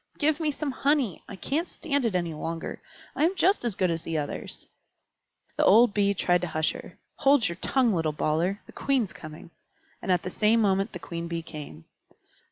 "Give me some honey! I can't stand it any longer. I am just as good as the others." The old Bee tried to hush her. "Hold your tongue, little bawler! The Queen's coming." And at the same moment the Queen Bee came.